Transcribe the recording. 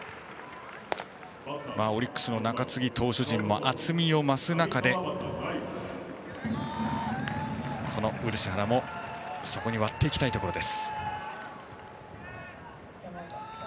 オリックスの中継ぎ投手陣も厚みを増す中でこの漆原もそこに割っていきたいところです。